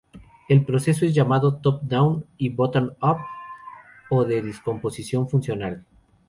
El proceso es llamado Top-down y bottom-up, o de descomposición funcional.